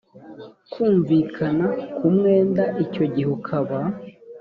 kumvikana ku mwenda icyo gihe ukaba